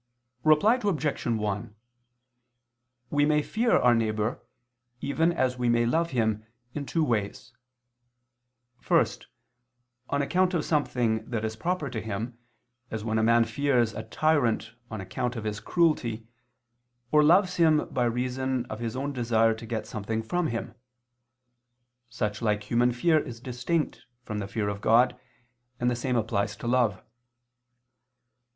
Reply Obj. 1: We may fear our neighbor, even as we may love him, in two ways: first, on account of something that is proper to him, as when a man fears a tyrant on account of his cruelty, or loves him by reason of his own desire to get something from him. Such like human fear is distinct from the fear of God, and the same applies to love.